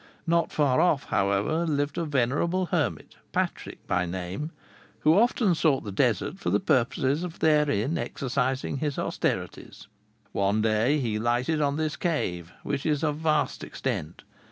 Not far off, however, lived a venerable hermit, Patrick by name, who often sought the desert for the purpose of therein exercising his austerities. One day he lighted on this cave, which is of vast extent.